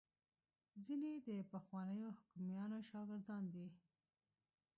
ځیني د پخوانیو حکیمانو شاګردان دي